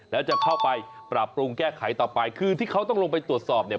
แล้วจะเข้าไปปรับปรุงแก้ไขต่อไปคือที่เขาต้องลงไปตรวจสอบเนี่ย